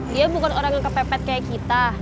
dia bukan orang yang kepepet kayak kita